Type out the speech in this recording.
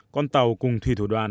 con tàu cùng thủy thủ đoàn